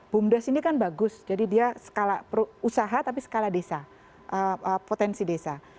bumdes ini kan bagus jadi dia skala usaha tapi skala desa potensi desa